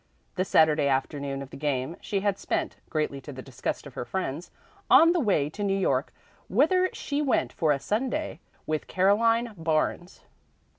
The Saturday afternoon of the game she had spent, greatly to the disgust of her friends, on the way to New York, whither she went for a Sunday with Caroline Barnes.